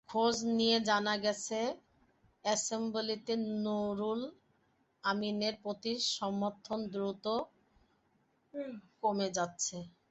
খোঁজ নিয়ে জানা গেছে, অ্যাসেম্বলিতে নূরুল আমীনের প্রতি সমর্থন দ্রুত কমে যাচ্ছে।